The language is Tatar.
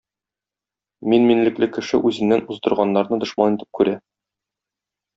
Минминлекле кеше үзеннән уздырганнарны дошман итеп күрә.